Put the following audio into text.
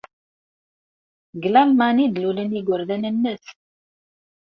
Deg Lalman ay d-lulen yigerdan-nnes?